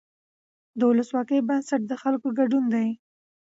د ولسواکۍ بنسټ د خلکو ګډون دی